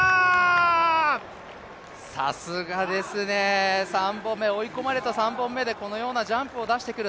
さすがですね、追い込まれた３本目でこのような記録を出してくる。